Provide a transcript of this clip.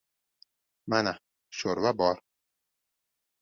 Mana, sho‘rva bor.